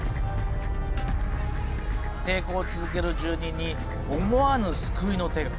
抵抗を続ける住人に思わぬ救いの手が。